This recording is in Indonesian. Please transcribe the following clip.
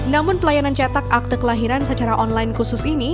namun pelayanan cetak akte kelahiran secara online khusus ini